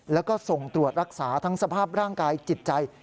แล้วก็ส่งตรวจรักษาทั้งสภาพร่างกายจิตใจ